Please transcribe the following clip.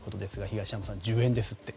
東山さん、１０円ですって。